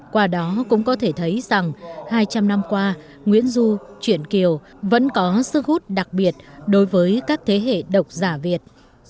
qua đó cũng có thể thấy rằng hai trăm linh năm qua nguyễn du truyền kiều vẫn có sức hút đặc biệt đối với các thế hệ độc giả việt